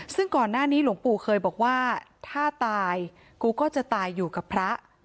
ซึ่งก่อนหน้านี้หลวงปู่เคยบอกว่าถ้าตายกูก็จะตายอยู่กับพระ